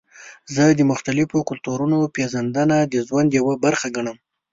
زه د مختلفو کلتورونو پیژندنه د ژوند یوه برخه ګڼم.